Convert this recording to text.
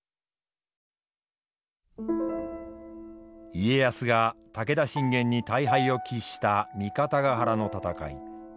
家康が武田信玄に大敗を喫した三方ヶ原の戦い。